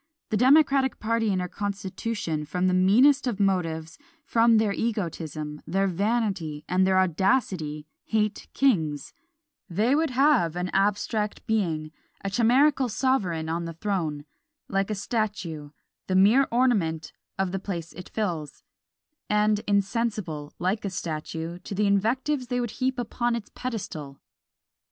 The democratic party in our constitution, from the meanest of motives, from their egotism, their vanity, and their audacity, hate kings; they would have an abstract being, a chimerical sovereign on the throne like a statue, the mere ornament of the place it fills, and insensible, like a statue, to the invectives they would heap on its pedestal!